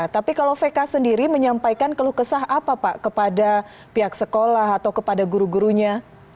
tapi kalau vk sendiri menyampaikan keluh kesah apa pak kepada pihak sekolah atau kepada guru gurunya